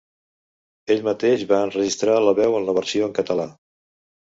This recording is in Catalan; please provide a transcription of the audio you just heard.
Ell mateix va enregistrar la veu en la versió en català.